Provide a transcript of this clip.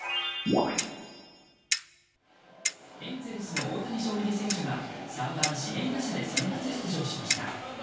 エンゼルスの大谷翔平選手が３番指名打者で先発出場しました。